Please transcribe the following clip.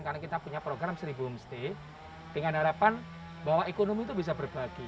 karena kita punya program seri boomstay dengan harapan bahwa ekonomi itu bisa berbagi